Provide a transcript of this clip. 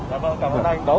dạ vâng cảm ơn anh